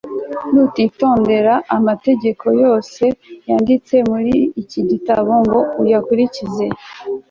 nutitondera amategeko yose yanditse muri iki gitabo ngo uyakurikize,+